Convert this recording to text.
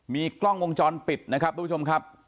มีกล้องวงจรปิดนะครับทุกผู้ชมครับ